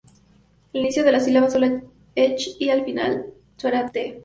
Al inicio de la sílaba suena "ch" y al final suena "t".